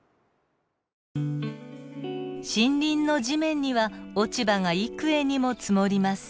森林の地面には落ち葉が幾重にも積もります。